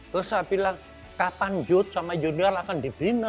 terus saya bilang kapan jote sama junior akan dibina